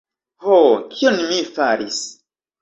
Ho, kion mi faris?